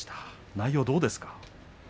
内容どうですか。